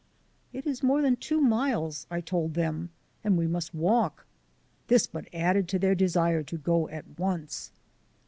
"It is more than two miles," I told them, "and we must walk." This but added to their desire to go at once.